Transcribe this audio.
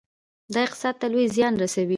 دا اقتصاد ته لوی زیان رسوي.